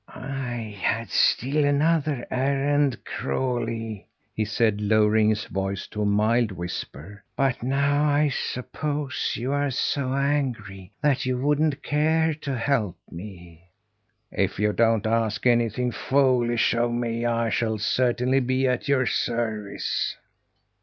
"I had still another errand, Crawlie," he said, lowering his voice to a mild whisper. "But now I suppose you are so angry that you wouldn't care to help me?" "If you don't ask anything foolish of me, I shall certainly be at your service."